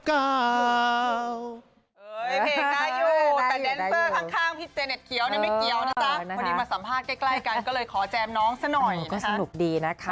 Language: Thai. อ๋อก็สนุกดีนะคะ